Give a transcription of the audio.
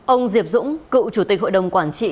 ông diệp dũng cựu chủ tịch hội đồng quản trị